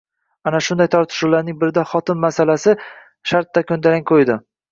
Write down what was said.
Ana shunday tortishuvlarning birida xotin masalani shartta koʻndalang qoʻydi